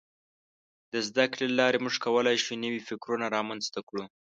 د زدهکړې له لارې موږ کولای شو نوي فکرونه رامنځته کړو.